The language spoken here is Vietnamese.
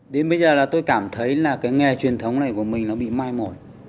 đến bây giờ là tôi cảm thấy là cái nghề truyền thống này của mình nó bị mai mồi